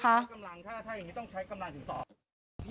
กำลังท่าถ้าอย่างงี้ต้องใช้กำลังถึงต่อ